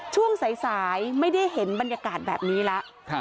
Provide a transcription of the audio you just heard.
ช่วงสายไม่ได้เห็นบรรยากาศแบบนี้แล้ว